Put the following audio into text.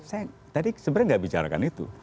saya tadi sebenarnya nggak bicarakan itu